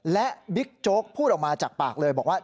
และบิ๊กโจ๊กพูดออกมาจากปากเลยบอกว่า